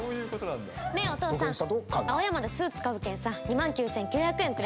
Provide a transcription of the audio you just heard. ねぇ、お父さん、青山でスーツ買うけんさ、２万９９００円くれ。